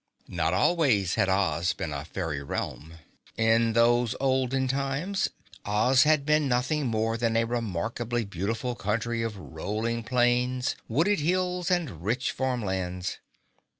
Not always had Oz been a fairy realm. In those olden times Oz had been nothing more than a remarkably beautiful country of rolling plains, wooded hills and rich farm lands.